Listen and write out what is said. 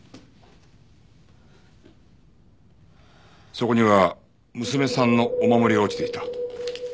そこには娘さんのお守りが落ちていた。